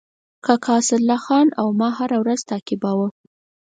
کاکا اسدالله خان او ما هره ورځ تعقیباوه.